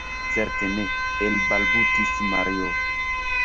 Certe ne, elbalbutis Mario.